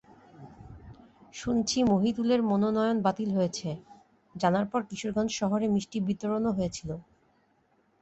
শুনছি মহিতুলের মনোনয়ন বাতিল হয়েছে জানার পর কিশোরগঞ্জ শহরে মিষ্টি বিতরণও হয়েছিল।